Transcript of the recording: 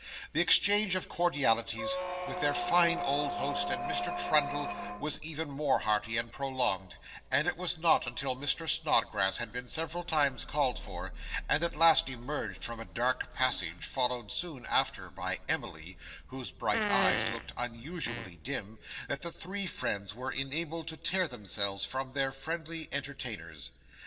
The exchange of cordialities with their fine old host and Mr. Trundle was even more hearty and prolonged; and it was not until Mr. Snodgrass had been several times called for, and at last emerged from a dark passage followed soon after by Emily (whose bright eyes looked unusually dim), that the three friends were enabled to tear themselves from their friendly entertainers.